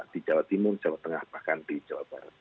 di jawa timur jawa tengah bahkan di jawa barat